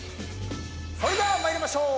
それでは参りましょう。